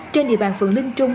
trên địa bàn phường linh trung